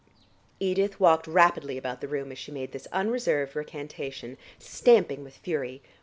Edith walked rapidly about the room as she made this unreserved recantation, stamping with fury.